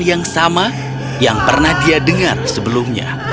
yang sama yang pernah dia dengar sebelumnya